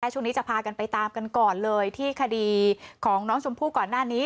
ช่วงนี้จะพากันไปตามกันก่อนเลยที่คดีของน้องชมพู่ก่อนหน้านี้